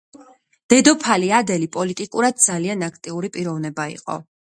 დედოფალი ადელი პოლიტიკურად ძალიან აქტიური პიროვნება იყო.